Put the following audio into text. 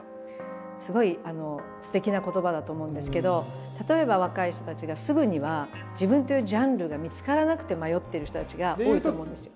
すごいすてきな言葉だと思うんですけど例えば若い人たちがすぐには自分というジャンルが見つからなくて迷ってる人たちが多いと思うんですよ。